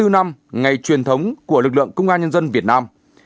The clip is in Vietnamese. bảy mươi bốn năm ngày truyền thống của lực lượng công an nhân dân việt nam